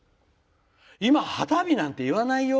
今、旗日なんて言わないよ。